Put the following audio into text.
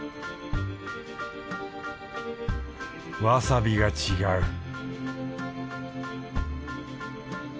わさびが違う